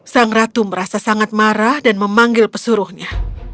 sang ratu merasa sangat marah dan memanggil pesuruhnya